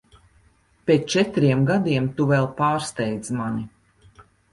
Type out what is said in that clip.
Pēc četriem gadiem tu vēl pārsteidz mani.